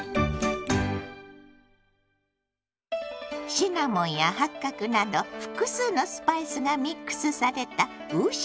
シナモンや八角など複数のスパイスがミックスされた五香粉。